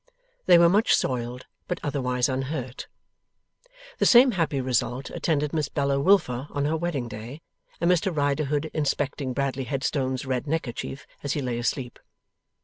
They were much soiled, but otherwise unhurt. The same happy result attended Miss Bella Wilfer on her wedding day, and Mr Riderhood inspecting Bradley Headstone's red neckerchief as he lay asleep.